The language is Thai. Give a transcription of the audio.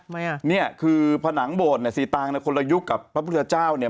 อ่ะเนี่ยคือผนังโบสถเนี่ยสีตางเนี่ยคนละยุคกับพระพุทธเจ้าเนี่ย